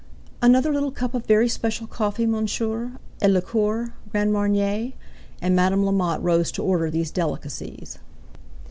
"Another little cup of very special coffee, monsieur; a liqueur, Grand Marnier?" and Madame Lamotte rose to order these delicacies.